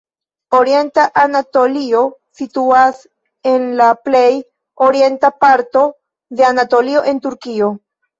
Orienta Anatolio situas en la plej orienta parto de Anatolio en Turkio.